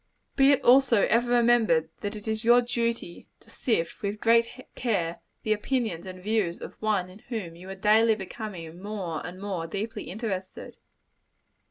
Be it also ever remembered, that it is your duty to sift, with great care, the opinions and views of one in whom you are daily becoming more and more deeply interested.